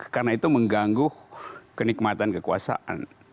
karena itu mengganggu kenikmatan kekuasaan